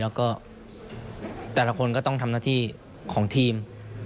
แล้วก็แต่ละคนก็ต้องทำหน้าที่ของทีม